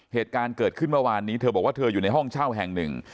เหตุการณ์เกิดขึ้นเมื่อวานนี้เธอบอกว่าเธออยู่ในห้องเช่าแห่งหนึ่ง